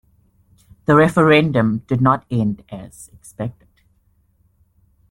The referendum did not end as expected.